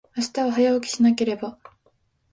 明日は、早起きしなければ。